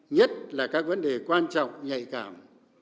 nhất là các vấn đề quan trọng nhạy cảm